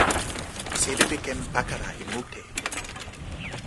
seli li ken pakala e mute.